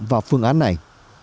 vào phương án này